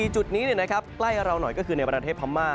จุดนี้ใกล้กับเราหน่อยก็คือในประเทศพม่า